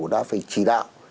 đã phải chỉ đạo